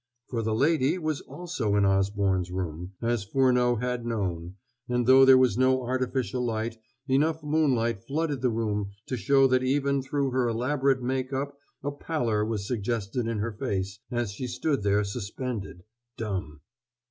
For the lady was also in Osborne's room, as Furneaux had known; and though there was no artificial light, enough moonlight flooded the room to show that even through her elaborate make up a pallor was suggested in her face, as she stood there suspended, dumb.